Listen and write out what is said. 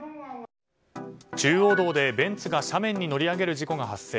中央道で、ベンツが斜面に乗り上げる事故が発生。